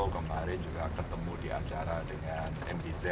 kemarin juga ketemu di acara dengan mdz